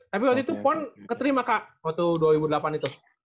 tapi waktu itu pon keterima kak waktu dua ribu delapan itu